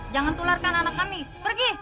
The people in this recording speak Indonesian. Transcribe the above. jangan tularkan anak kami pergi